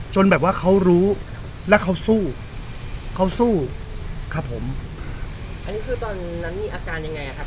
แบบว่าเขารู้และเขาสู้เขาสู้ครับผมอันนี้คือตอนนั้นมีอาการยังไงอ่ะครับ